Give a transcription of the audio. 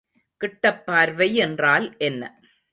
கிட்டப்பார்வை என்றால் என்ன?